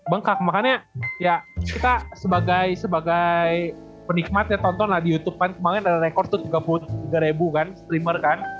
bengkak makanya ya kita sebagai penikmat ya tonton lah di youtube kan kemarin ada rekor tuh tiga puluh tiga ribu kan spreamer kan